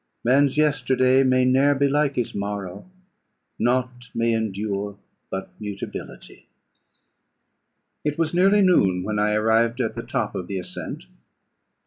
Man's yesterday may ne'er be like his morrow; Nought may endure but mutability! It was nearly noon when I arrived at the top of the ascent.